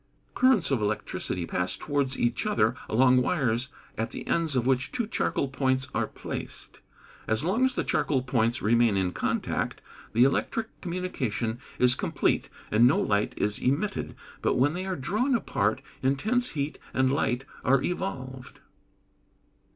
_ Currents of electricity pass towards each other along wires at the ends of which two charcoal points are placed. As long as the charcoal points remain in contact, the electric communication is complete, and no light is emitted, but, when they are drawn apart, intense heat and light are evolved.